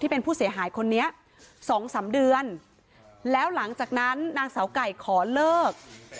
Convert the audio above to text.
เป็นผู้เสียหายคนนี้สองสามเดือนแล้วหลังจากนั้นนางสาวไก่ขอเลิก